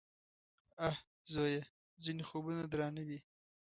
_اه ! زويه! ځينې خوبونه درانه وي.